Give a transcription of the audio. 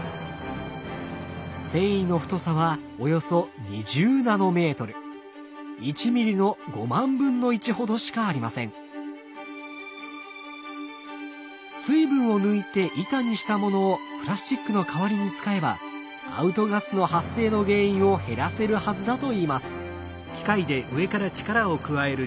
繊維の太さはおよそ水分を抜いて板にしたものをプラスチックの代わりに使えばアウトガスの発生の原因を減らせるはずだといいます。